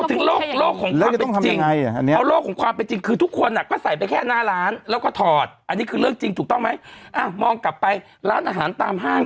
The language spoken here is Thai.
เออพี่ไม่ได้พูดอันนี้ใช่ไหม